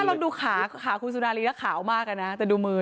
ถ้าเราดูขาคุณสุนารีก็ขาวมากนะแต่ดูมือ